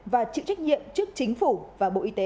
và chịu trách nhiệm trước chính phủ và bộ y tế